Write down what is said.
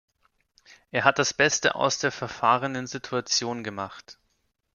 Er hat das Beste aus der verfahrenen Situation gemacht.